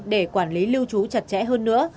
để quản lý lưu trú chặt chẽ hơn nữa